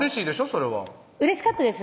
それはうれしかったです